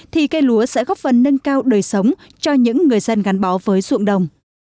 thì cây lúa sẽ góp phần nâng cao đời sống cho những người dân gắn bó với ruộng đồng